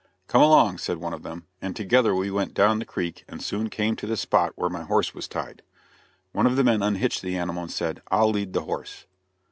"Come along," said one of them, and together we went down the creek, and soon came to the spot where my horse was tied. One of the men unhitched the animal and said: "I'll lead the horse."